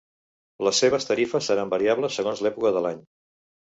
Les seves tarifes seran variables segons l'època de l'any.